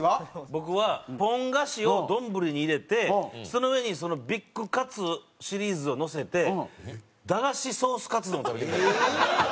僕はポン菓子を丼に入れてその上にビッグカツシリーズをのせて駄菓子ソースカツ丼を食べてみたい。